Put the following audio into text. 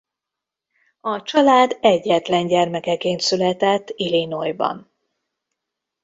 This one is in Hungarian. A család egyetlen gyermekeként született Illinois-ban.